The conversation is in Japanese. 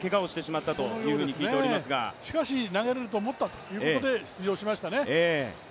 しかし投げられると思ったということで出場しましたね。